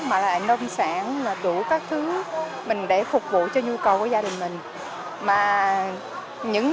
mà là nông sản và đủ các thứ mình để phục vụ cho nhu cầu của gia đình mình